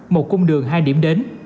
một cung đường hai điểm đến